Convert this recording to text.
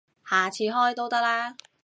下次開都得啦